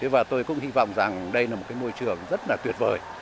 và tôi cũng hy vọng rằng đây là một cái môi trường rất là tuyệt vời